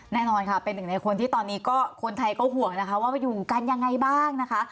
แน่นอนค่ะเป็นหนึ่งในคนที่ตอนนี้ก็คนไทยก็ห่วงนะคะว่าอยู่กันยังไงบ้างนะคะ